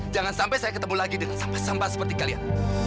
jangan sampai saya ketemu lagi dengan sampah sampah seperti kalian